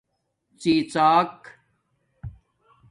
ڎی ڎاک